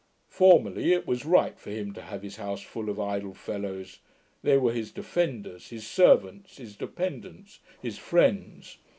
Formerly, it was right for him to have his house full of idle fellows; they were his defenders, his servants, his dependants, his friends.